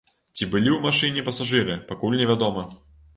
Ці былі ў машыне пасажыры, пакуль невядома.